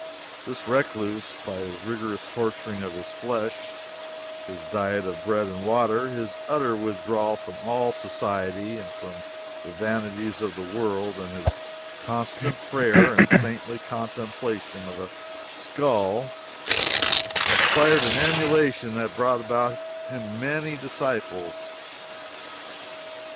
This recluse, by his rigorous torturing of his flesh, his diet of bread and water, his utter withdrawal from all society and from the vanities of the world, and his constant prayer and saintly contemplation of a skull, inspired an emulation that brought about him many disciples.